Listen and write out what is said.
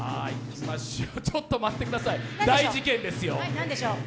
ちょっと待ってください、大事件ですよ。